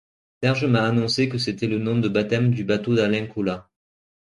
Serge m'a annoncé que c'était le nom de baptême du bateau d'Alain Colas.